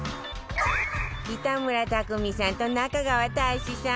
北村匠海さんと中川大志さん